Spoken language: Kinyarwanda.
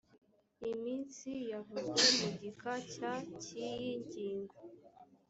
iminsi yavuzwe mu gika cya cy iyi ngingo